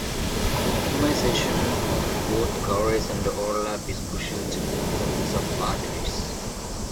Minimization of both coverage and overlap is crucial to the performance of R-trees.